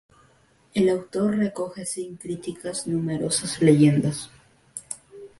El autor recoge sin críticas numerosas leyendas.